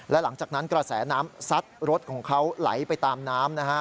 และหลังจากนั้นกระแสน้ำซัดรถของเขาไหลไปตามน้ำนะฮะ